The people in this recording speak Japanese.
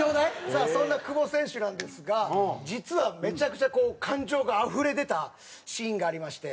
さあそんな久保選手なんですが実はめちゃくちゃ感情があふれ出たシーンがありまして。